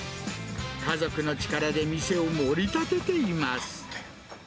家族の力で店を盛り立てています。